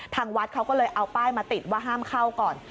ทางวัดเขาก็เลยเอาป้ายมาติดว่าห้ามเข้าก่อน